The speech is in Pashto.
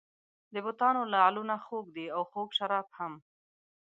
د بتانو لعلونه خوږ دي او خوږ شراب هم.